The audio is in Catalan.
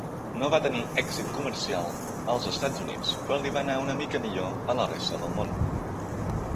No va tenir èxit comercial als Estats Units, però li va anar una mica millor a la resta del món.